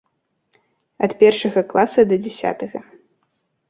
Ад першага класа да дзясятага.